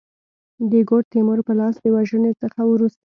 د ګوډ تیمور په لاس د وژني څخه وروسته.